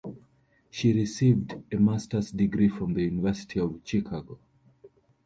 She received a master's degree from the University of Chicago.